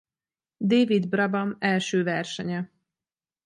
David Brabham első versenye.